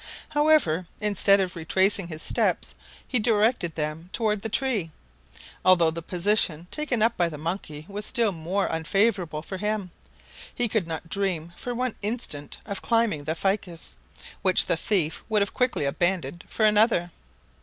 However, instead of retracing his steps he directed them toward the tree, although the position taken up by the monkey was still more unfavorable for him. He could not dream for one instant of climbing the ficus, which the thief would have quickly abandoned for another.